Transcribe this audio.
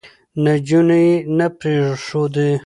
نجونې يې نه پرېښودې،